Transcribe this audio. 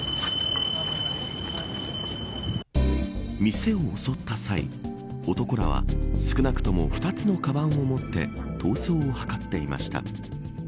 店を襲った際男らは少なくとも２つのかばんを持って逃走を図っていました。